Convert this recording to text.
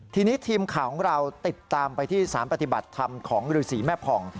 ทีนี้ทีมข่าวของเราติดตามไปที่สารปฏิบัติธรรมของฤษีแม่ผ่อง